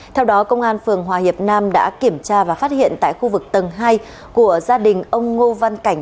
theo đó công an phường hòa hiệp nam đã kiểm tra và phát hiện tại khu vực tầng hai của gia đình ông ngô văn cảnh